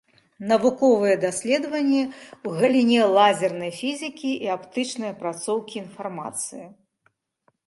Навуковыя даследаванні ў галіне лазернай фізікі і аптычнай апрацоўкі інфармацыі.